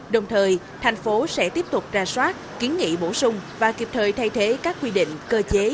đồng thời thành phố sẽ tiếp tục ra soát kiến nghị bổ sung và kịp thời thay thế các quy định cơ chế